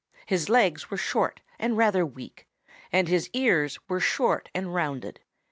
His legs were short and rather weak, and his ears were short and rounded.